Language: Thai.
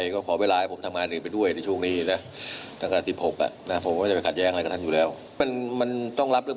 ก็นัดแบบที่ไปคลอดภูมิทุกครั้ง